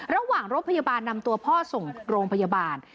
ระหว่างรถพยาบาลนำตัวพ่อส่งโรงพยาบาล